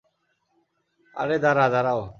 আরে, দাঁড়া, দাঁড়াও।